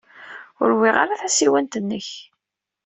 Ur wwiɣ ara tasiwant-nnek.